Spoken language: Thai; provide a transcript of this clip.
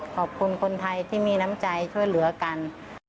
ขอบคุณคนไทยที่มีน้ำใจช่วยเหลือกัน